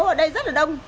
một số ở đây rất là đông